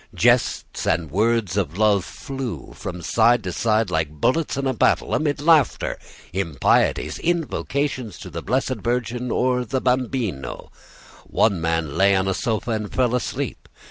Jests and words of love flew from side to side like bullets in a battle, amid laughter, impieties, invocations to the Blessed Virgin or the Bambino. One man lay on a sofa and fell asleep.